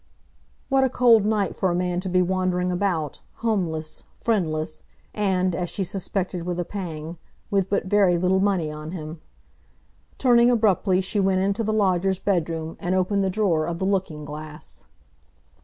What a cold night for a man to be wandering about, homeless, friendless, and, as she suspected with a pang, with but very little money on him! Turning abruptly, she went into the lodger's bedroom and opened the drawer of the looking glass.